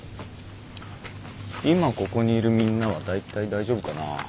今ここにいるみんなは大体大丈夫かな。